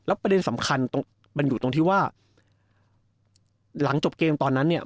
ประเด็นสำคัญมันอยู่ตรงที่ว่าหลังจบเกมตอนนั้นเนี่ย